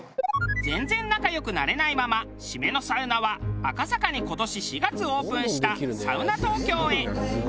全然仲良くなれないまま締めのサウナは赤坂に今年４月オープンしたサウナ東京へ。